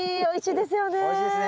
おいしいですね。